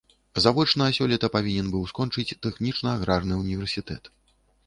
Завочна сёлета павінен быў скончыць тэхнічна-аграрны ўніверсітэт.